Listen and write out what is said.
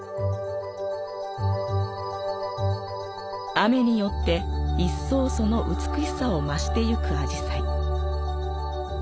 雨によって一層その美しさを増してゆくアジサイ。